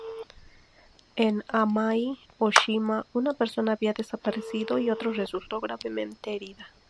En Amami-o-Shima, una persona había desaparecido y otra resultó gravemente herida.